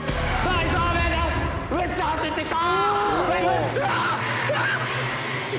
めっちゃ走ってきた！